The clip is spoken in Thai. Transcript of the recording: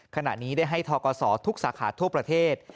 ขณะนี้ได้ให้ทกศทุกสาขาทั่วประเทศ